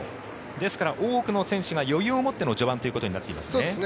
ですから、多くの選手が余裕を持っての序盤となっていますね。